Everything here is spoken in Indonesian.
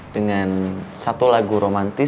dengan satu lagu romantik